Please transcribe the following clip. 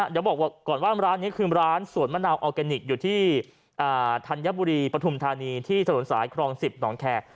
เดี๋ยวบอกก่อนว่าร้านนี้คือร้านสวนมะนาวออร์แกนิคอยู่ที่ธัญบุรีปฐุมธานีที่ถนนสายครอง๑๐หนองแคร์